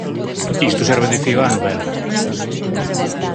Isto serve de fío á novela.